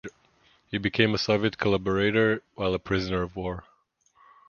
He became a Soviet collaborator while a prisoner of war.